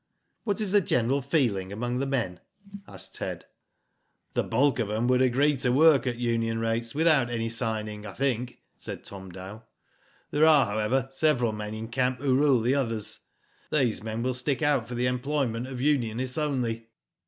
"What is the general feeling among the men?" asked Ted. "The bulk of them would agree to work at union rates without any signing, I think," said Tom Dow. "There are, however, several men in camp who rule the others. These men will stick out for the employment of unionists only."